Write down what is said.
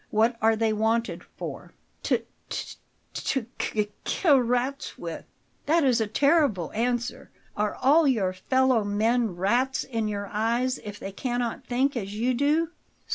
What are they wanted for?" "T t to k k kill rats with." "That is a terrible answer. Are all your fellow men rats in your eyes if they cannot think as you do?"